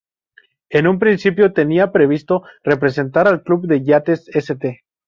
En un principio tenían previsto representar al Club de Yates St.